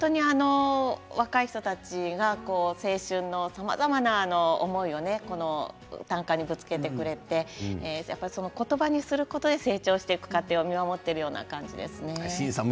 若い人たちが青春のさまざまな思いを短歌にぶつけてくれて言葉にすることで成長してゆく過程を見守っている感じですね。